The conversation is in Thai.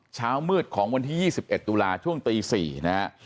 เช้ามืดของวันที่๒๑ตุลาช่วงตี๔นะฮะ